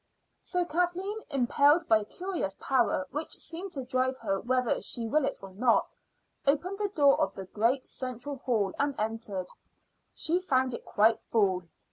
So Kathleen, impelled by a curious power which seemed to drive her whether she will it or not, opened the door of the great central hall and entered. She found it quite full.